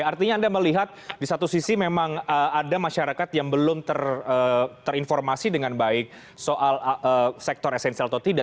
artinya anda melihat di satu sisi memang ada masyarakat yang belum terinformasi dengan baik soal sektor esensial atau tidak